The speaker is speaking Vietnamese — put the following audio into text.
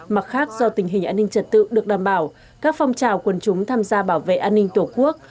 mặt khác do tình hình an ninh trật tự được đảm bảo các phong trào quần chúng tham gia bảo vệ an ninh tổ quốc